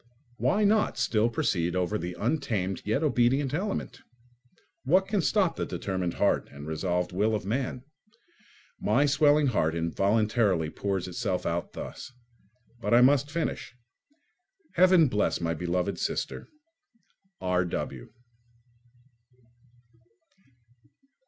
Why not still proceed over the untamed yet obedient element? What can stop the determined heart and resolved will of man? My swelling heart involuntarily pours itself out thus. But I must finish. Heaven bless my beloved sister! R.W.